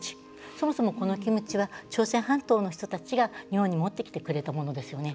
そもそも、このキムチは朝鮮半島の人たちが日本に持ってきてくれたものですよね。